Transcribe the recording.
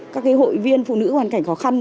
các hội viên phụ nữ hoàn cảnh khó khăn